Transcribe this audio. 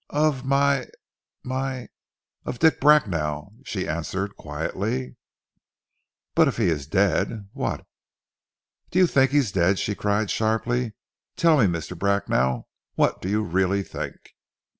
"Of my my of Dick Bracknell," she answered quietly. "But if he is dead, what " "Do you think he is dead?" she cried sharply. "Tell me, Mr. Bracknell, what do you really think?"